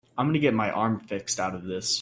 I'm gonna get my arm fixed out of this.